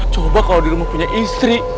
coba kalau di rumah punya istri